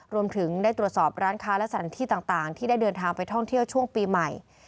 รวมถึงได้ตรวจสอบร้านค้าและสถานที่ต่างที่ได้เดินทางไปท่องเที่ยวช่วงปีใหม่